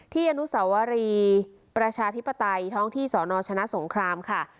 อนุสวรีประชาธิปไตยท้องที่สนชนะสงครามค่ะ